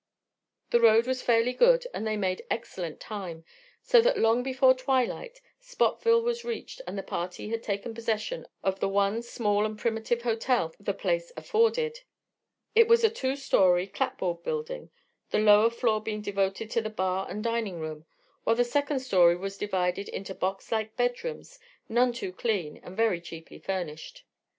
The road was fairly good and they made excellent time, so that long before twilight Spotville was reached and the party had taken possession of the one small and primitive "hotel" the place afforded. It was a two story, clapboarded building, the lower floor being devoted to the bar and dining room, while the second story was divided into box like bedrooms none too clean and very cheaply furnished.